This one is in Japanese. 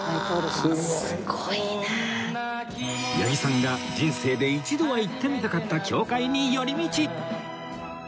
八木さんが人生で一度は行ってみたかった教会に寄り道